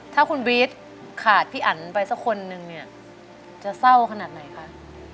ถ้าคุณบี๊ดขาดพี่อันไปสักคนนึงเนี่ยจะเศร้าขนาดไหนคะ